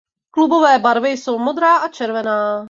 Klubové barvy jsou modrá a červená.